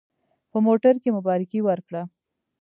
په موټر کې مبارکي ورکړه.